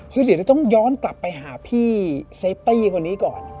คือเดี๋ยวเราต้องย้อนกลับไปหาพี่เซฟตี้คนนี้ก่อน